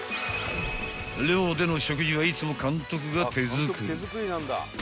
［寮での食事はいつも監督が手作り］